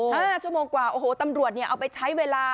ห้าชั่วโมงกว่าโอ้โหตำรวจเนี่ยเอาไปใช้เวลา